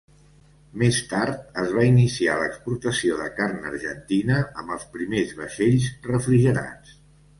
Més tard es va iniciar l'exportació de carn argentina amb els primers vaixells refrigerats.